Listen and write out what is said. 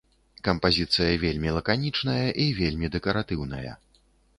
Кампазіцыя вельмі лаканічная і вельмі дэкаратыўная.